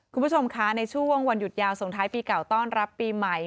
คุณผู้ชมคะในช่วงวันหยุดยาวส่งท้ายปีเก่าต้อนรับปีใหม่